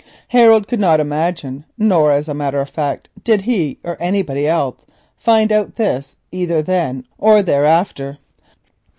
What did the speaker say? Harold could not imagine, nor, as a matter of fact, did he or anybody else ever find out either then or thereafter.